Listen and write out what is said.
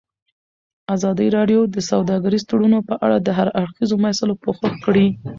ازادي راډیو د سوداګریز تړونونه په اړه د هر اړخیزو مسایلو پوښښ کړی.